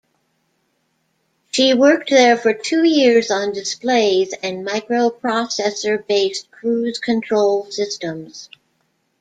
She worked there for two years on displays, and microprocessor-based cruise control systems.